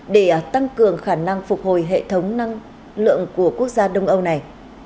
để tăng cường khả năng phục hồi hệ thống năng lượng của quốc gia đông âu này